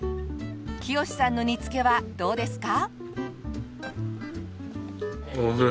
清志さんの煮付けはどうですか？